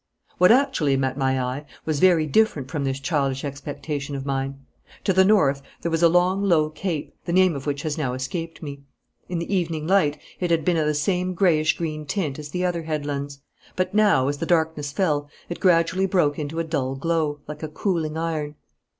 What actually met my eye was very different from this childish expectation of mine. To the north there was a long low cape, the name of which has now escaped me. In the evening light it had been of the same greyish green tint as the other headlands; but now, as the darkness fell, it gradually broke into a dull glow, like a cooling iron.